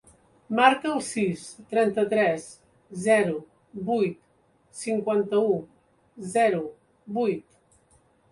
Marca el sis, trenta-tres, zero, vuit, cinquanta-u, zero, vuit.